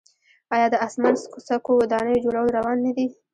آیا د اسمان څکو ودانیو جوړول روان نه دي؟